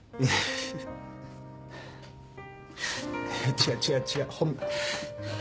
違う違う違うホンマ。